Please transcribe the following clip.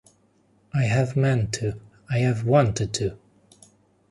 I have meant to, I have wanted to.